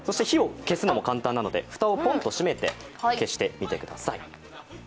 火を消すのも簡単なので、蓋をポンと閉めて消してみてください。